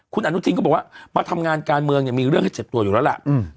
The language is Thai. คุณอนุทินก็บอกว่ามาทำงานการเมืองเนี่ยมีเรื่องให้เจ็บตัวอยู่แล้วล่ะ